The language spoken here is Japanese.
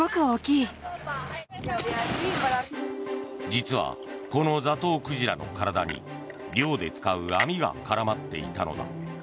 実は、このザトウクジラの体に漁で使う網が絡まっていたのだ。